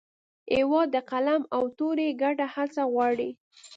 هېواد د قلم او تورې ګډه هڅه غواړي.